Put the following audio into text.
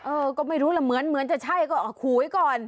เออก็ไม่รู้ล่ะเหมือนจะใช่ก็ขู่ไว้ก่อน